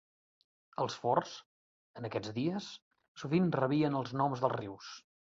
Els forts, en aquests dies, sovint rebien els noms dels rius.